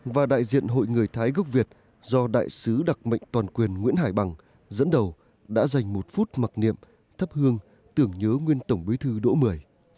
và đại diện hội người thái gốc việt do đại sứ đặc mệnh toàn quyền nguyễn hải bằng dẫn đầu đã dành một phút mặc niệm thấp hương tưởng nhớ nguyên tổng bí thư độ một mươi